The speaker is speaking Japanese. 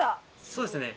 そうですね。